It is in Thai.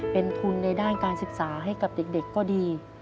เป็นทุนในด้านการศึกษาให้กับเด็กก็ดี